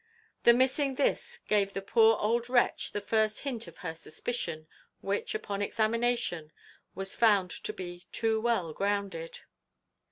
The missing this gave the poor old wretch the first hint of her suspicion, which, upon examination, was found to be too well grounded.